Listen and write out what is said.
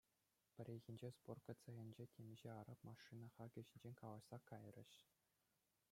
Пӗррехинче сборка цехӗнче темиҫе араб машина хакӗ ҫинчен калаҫса кайрӗҫ.